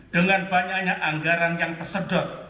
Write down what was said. dengan banyaknya anggaran yang tersedot